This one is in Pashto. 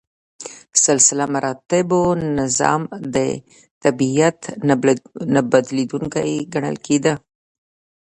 سلسله مراتبو نظام د طبیعت نه بدلیدونکی ګڼل کېده.